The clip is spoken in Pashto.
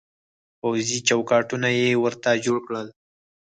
پوځي چوکاټونه يې ورته جوړ کړل.